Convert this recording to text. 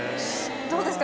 どうですか？